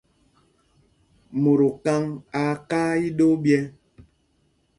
Mot okaŋ aa kaa iɗoo ɓyɛ́.